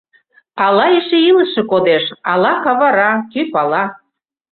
Ала эше илыше кодеш, ала кавара — кӧ пала?